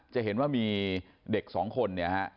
จะเห็นว่ามีเด็กสองคน